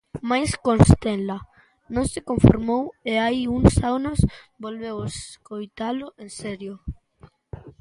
Mais Constenla non se conformou e hai uns anos volveu escoitalo "en serio".